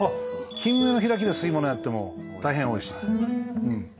キンメの開きで吸い物やっても大変おいしい。